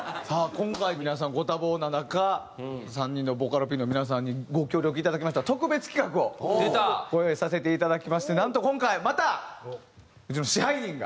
今回皆さんご多忙な中３人のボカロＰの皆さんにご協力いただきました特別企画をご用意させていただきましてなんと今回またうちの支配人が。